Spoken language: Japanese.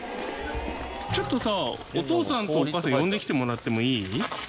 ちょっとさお父さんかお母さん呼んできてもらってもいい？